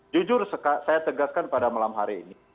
jujur saya tegaskan pada malam hari ini